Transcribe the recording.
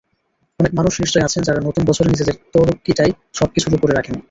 অনেক মানুষ নিশ্চয় আছেন, যাঁরা নতুন বছরে নিজেদের তরক্কিটাই সবকিছুর ওপরে রাখেন।